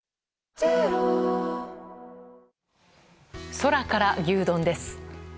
空から牛丼です。